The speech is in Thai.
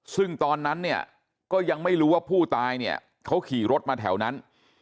ซึ่งตอนนั้นก็ยังไม่รู้ว่าผู้ตายเขาขี่รถมาแถวนั้น